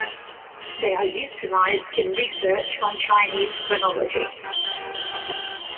They are utilized in research on Chinese phonology.